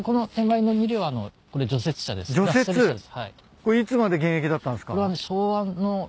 これいつまで現役だったんすか？